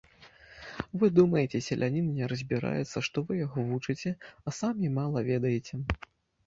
Вы думаеце, селянін не разбіраецца, што вы яго вучыце, а самі мала ведаеце.